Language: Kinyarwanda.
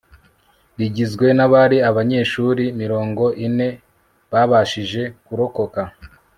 rigizwe n'abari abanyeshuri mirongo ine babashije kurokoka